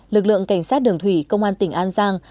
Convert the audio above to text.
lực lượng cảnh sát đường thủy công an tỉnh an giang